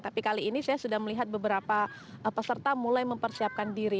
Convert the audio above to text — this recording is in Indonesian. tapi kali ini saya sudah melihat beberapa peserta mulai mempersiapkan diri